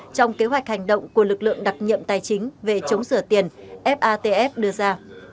trong kế hoạch hành động của lực lượng đặc nhiệm tài chính về chống sửa tiền fatf đưa ra